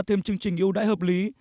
thêm chương trình yêu đái hợp lý